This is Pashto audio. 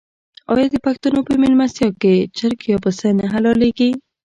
آیا د پښتنو په میلمستیا کې چرګ یا پسه نه حلاليږي؟